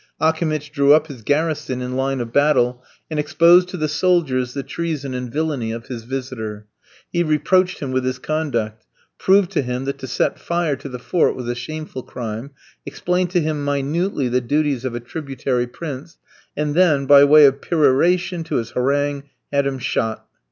Akimitch drew up his garrison in line of battle, and exposed to the soldiers the treason and villainy of his visitor. He reproached him with his conduct; proved to him that to set fire to the fort was a shameful crime; explained to him minutely the duties of a tributary prince; and then, by way of peroration to his harangue, had him shot.